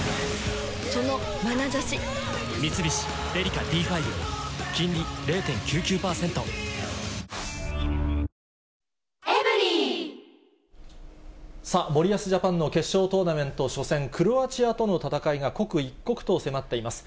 サントリー「ＶＡＲＯＮ」さあ、森保ジャパンの決勝トーナメント初戦、クロアチアとの戦いが刻一刻と迫っています。